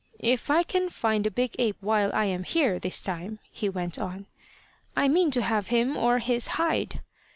"If I can find a big ape while I am here, this time," he went on, "I mean to have him or his hide.